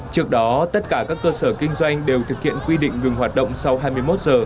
trước đó tất cả các cơ sở kinh doanh đều thực hiện quy định ngừng hoạt động sau hai mươi một giờ